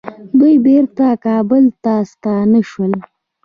دوی بیرته کابل ته ستانه شول.